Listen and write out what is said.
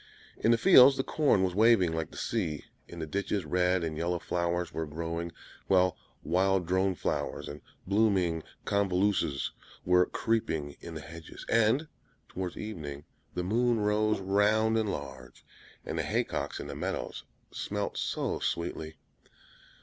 In the fields the corn was waving like the sea; in the ditches red and yellow flowers were growing; while wild drone flowers, and blooming convolvuluses were creeping in the hedges; and towards evening the moon rose round and large, and the haycocks in the meadows smelt so sweetly.